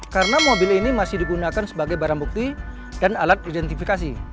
karena mobil ini masih digunakan sebagai barang bukti dan alat identifikasi